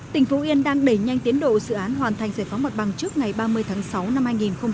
tỉnh phú yên đang đẩy nhanh tiến độ dự án hoàn thành giải phóng mặt bằng trước ngày ba mươi tháng sáu năm hai nghìn hai mươi